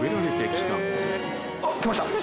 あっ来ました。